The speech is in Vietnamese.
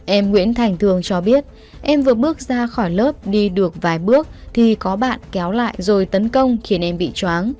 em nguyễn thành thường cho biết em vừa bước ra khỏi lớp đi được vài bước thì có bạn kéo lại rồi tấn công khiến em bị chóng